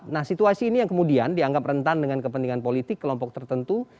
nah situasi ini yang kemudian dianggap rentan dengan kepentingan politik kelompok tertentu